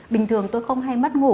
bình thường tôi không hay mất ngủ